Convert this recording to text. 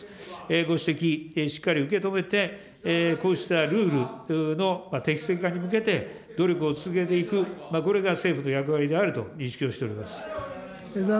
ご指摘、しっかり受け止めて、こうしたルールの適正化に向けて努力を続けていく、これが政府の役割であると認識をしております。